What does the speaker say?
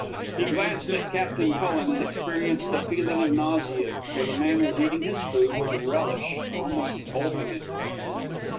He glanced at Captain Cullen, and experienced a feeling of nausea, for the man was eating his food with relish, almost bolting it.